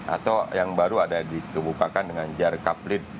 atau yang baru ada dikebukakan dengan jar kap lip